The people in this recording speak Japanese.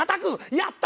やった！